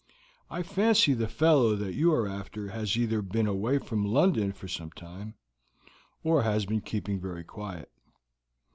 I fancy the fellow that you are after has either been away from London for some time, or has been keeping very quiet.